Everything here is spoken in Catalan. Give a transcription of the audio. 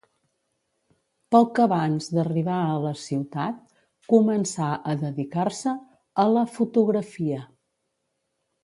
Poc abans d'arribar a la ciutat, començà a dedicar-se a la fotografia.